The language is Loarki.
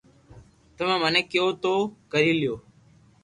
تمي مني ڪيويو تو ڪري ليو